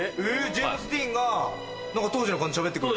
ジェームズ・ディーンが当時の感じでしゃべってくれる？